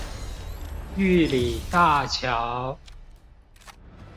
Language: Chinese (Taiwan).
玉里大橋